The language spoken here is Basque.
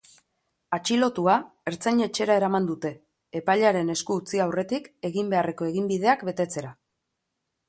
Atxilotua ertzain-etxera eraman dute, epailearen esku utzi aurretik egin beharreko eginbideak betetzera.